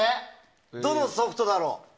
どのソフトだろう？